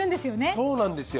そうなんですよ